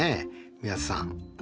宮田さん。